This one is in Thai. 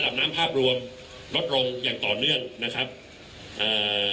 น้ำภาพรวมลดลงอย่างต่อเนื่องนะครับเอ่อ